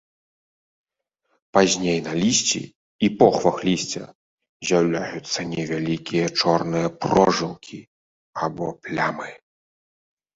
Пазней на лісці і похвах лісця з'яўляюцца невялікія чорныя прожылкі або плямы.